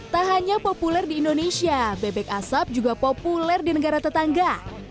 tak hanya populer di indonesia bebek asap juga populer di negara tetangga